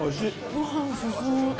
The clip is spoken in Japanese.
ごはん進む。